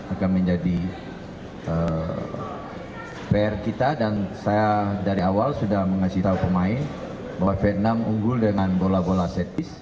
akan menjadi pr kita dan saya dari awal sudah mengasih pemain bahwa vietnam unggul dengan bola bola set piece